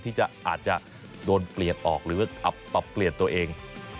อาจจะอาจจะโดนเปลี่ยนออกหรือว่าปรับเปลี่ยนตัวเอง